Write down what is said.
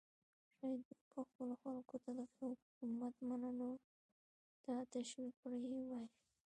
شاید دوی به خپلو خلکو ته د حکومت منلو ته تشویق کړي وای.